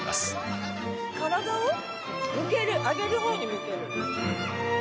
体を上げる方に向ける。